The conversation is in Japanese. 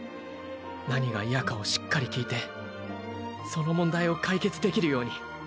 何が嫌かをしっかり聞いてその問題を解決できるように。